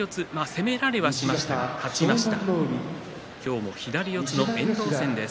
攻められはしましたけれども勝ちました。